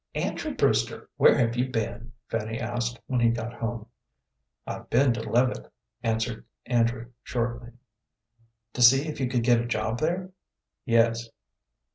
"Andrew Brewster, where have you been?" Fanny asked, when he got home. "I've been to Leavitt," answered Andrew, shortly. "To see if you could get a job there?" "Yes."